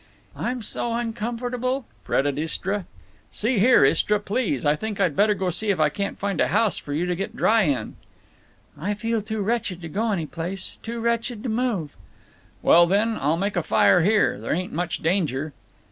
"I'm so uncomfortable!" fretted Istra. "See here, Istra, please, I think I'd better go see if I can't find a house for you to get dry in." "I feel too wretched to go any place. Too wretched to move." "Well, then, I'll make a fire here. There ain't much danger."